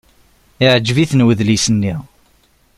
Yeɛjeb-iten udlis-nni.